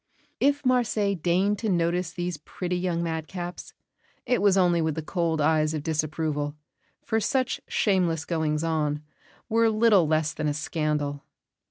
If Marseilles deigned to notice these pretty young madcaps, it was only with the cold eyes of disapproval; for such "shameless goings on" were little less than a scandal.